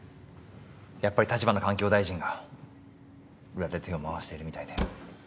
やっぱり立花環境大臣が裏で手を回しているみたいで。